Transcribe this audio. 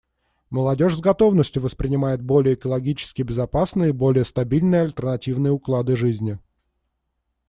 Молодежь с готовностью воспринимает более экологически безопасные и более стабильные альтернативные уклады жизни.